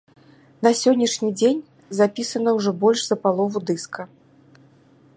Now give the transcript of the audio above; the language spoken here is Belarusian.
На сённяшні дзень запісана ўжо больш за палову дыска.